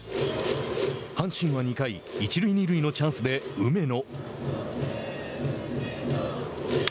阪神は２回、一塁二塁のチャンスで梅野。